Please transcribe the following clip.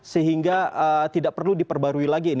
sehingga tidak perlu diperbarui lagi